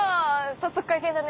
早速会見だね。